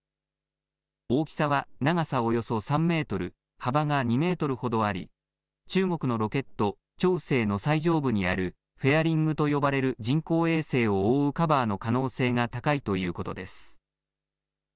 大きさは長さおよそ３メートル幅が２メートルほどあり中国のロケット長征の最上部にあるフェアリングと呼ばれる人工衛星を覆うカバーの可能性が高いということです。